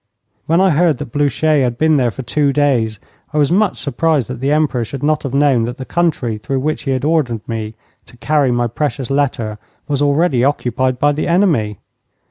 When I heard that Blucher had been there for two days, I was much surprised that the Emperor should not have known that the country through which he had ordered me to carry my precious letter was already occupied by the enemy.